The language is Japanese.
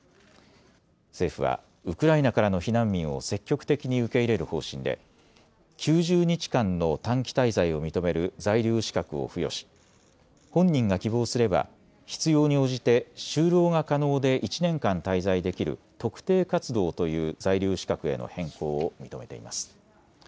政府はウクライナからの避難民を積極的に受け入れる方針で９０日間の短期滞在を認める在留資格を付与し本人が希望すれば必要に応じて就労が可能で１年間滞在できる特定活動という在留資格への変更を認めています。